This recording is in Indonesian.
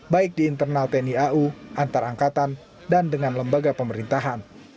baik di internal tni au antar angkatan dan dengan lembaga pemerintahan